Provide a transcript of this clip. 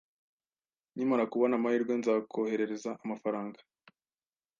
Nkimara kubona amahirwe, nzakoherereza amafaranga